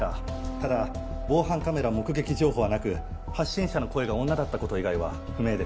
ただ防犯カメラ目撃情報はなく発信者の声が女だったこと以外は不明です。